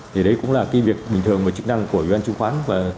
thì đấy cũng là việc bình thường và chức năng của doanh nghiệp trung khoán